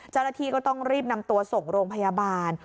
เจ้าหน้าที่ก็ต้องรีบนำตัวส่งโรงพยาบาล